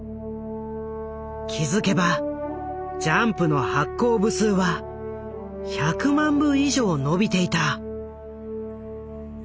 気付けばジャンプの発行部数は１００万部以上伸びていた。